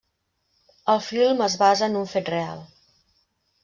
El film es basa en un fet real.